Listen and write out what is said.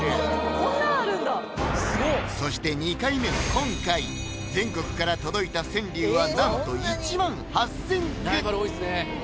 こんなんあるんだスゴっそして２回目の今回全国から届いた川柳はなんと１万８０００句！